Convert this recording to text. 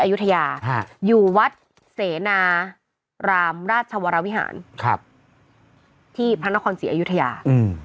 อายุทยาอยู่วัดเสนารามราชวรวิหารที่พระนครศรีอยุธยา